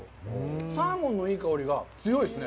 サーモンのいい香りが強いですね。